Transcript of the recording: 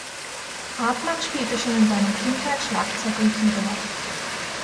Hartmann spielte schon in seiner Kindheit Schlagzeug und Keyboard.